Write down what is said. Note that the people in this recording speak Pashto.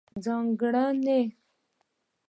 ځانګړنې: